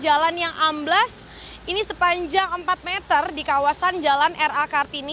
jalan yang amblas ini sepanjang empat meter di kawasan jalan ra kartini